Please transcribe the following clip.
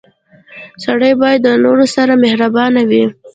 • سړی باید د نورو سره مهربان وي.